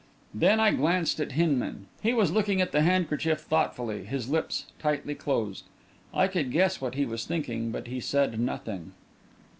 Then I glanced at Hinman. He was looking at the handkerchief thoughtfully, his lips tightly closed. I could guess what he was thinking, but he said nothing.